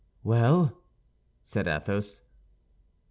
"Well?" said Athos.